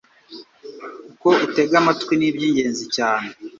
Uko utega amatwi ni iby'ingenzi cyane.